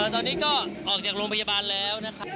ตอนนี้ก็ออกจากโรงพยาบาลแล้วนะครับ